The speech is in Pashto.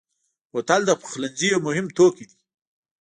بوتل د پخلنځي یو مهم توکی دی.